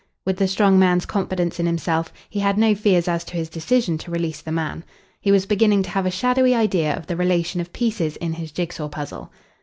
With the strong man's confidence in himself, he had no fears as to his decision to release the man. He was beginning to have a shadowy idea of the relation of pieces in his jig saw puzzle.